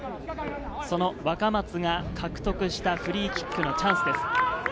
その若松が獲得したフリーキックのチャンスです。